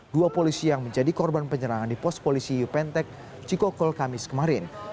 dua polisi yang menjadi korban penyerangan di pos polisi yupentek cikokol kamis kemarin